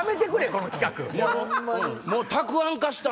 この企画。